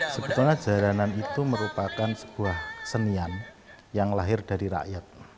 sebetulnya jaranan itu merupakan sebuah senian yang lahir dari rakyat